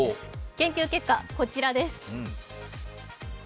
研究結果、こちらです。